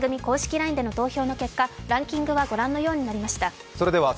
ＬＩＮＥでの投票の結果ランキングはご覧のようになりました。